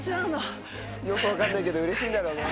よく分かんないけどうれしいんだろうね。